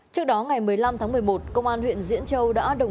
trước đó ngày một mươi năm tháng một mươi một công an huyện diễn châu đã đồng